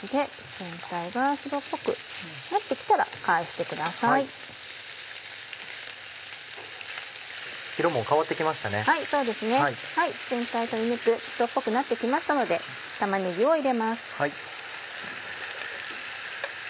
全体鶏肉白っぽくなって来ましたので玉ねぎを入れます。